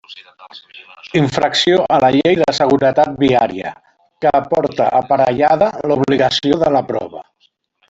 Infracció a la Llei de Seguretat Viària, que porta aparellada l'obligació de la prova.